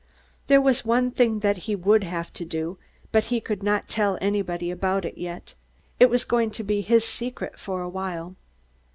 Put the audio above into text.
There was one thing that he would have to do, but he could not tell anybody about it yet. It was going to be his secret for a while.